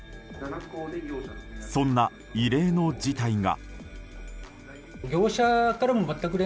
そんな異例の事態が。